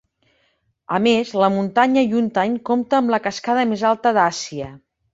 A més, la muntanya Yuntain compta amb la cascada més alta d'Àsia.